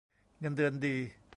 เงินเดือนดี